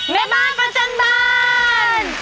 แม่บ้านพระจันบรรณ